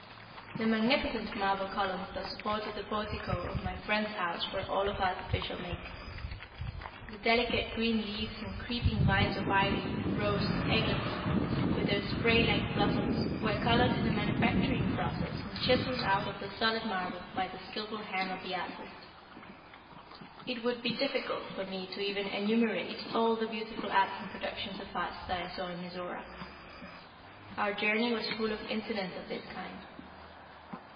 The magnificent marble columns that supported the portico of my friend's house were all of artificial make. The delicate green leaves and creeping vines of ivy, rose, and eglantine, with their spray like blossoms, were colored in the manufacturing process and chiseled out of the solid marble by the skillful hand of the artist. It would be difficult for me to even enumerate all the beautiful arts and productions of arts that I saw in Mizora. Our journey was full of incidents of this kind.